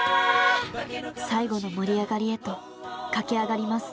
最後の盛り上がりへと駆け上がります。